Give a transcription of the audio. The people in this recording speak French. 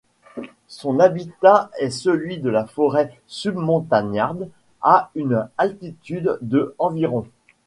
Son habitat est celui de la forêt submontagnarde, à une altitude de environ.